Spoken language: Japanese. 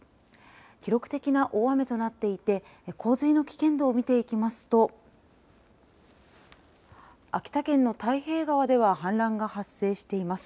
記録的な大雨となっていて洪水の危険度を見ていきますと秋田県の太平川では氾濫が発生しています。